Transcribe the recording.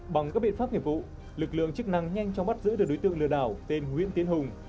bằng các biện pháp nghiệp vụ lực lượng chức năng nhanh chóng bắt giữ được đối tượng lừa đảo tên nguyễn tiến hùng